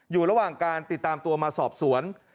อยู่ระหว่างการติดตามตัวมาสอบสวน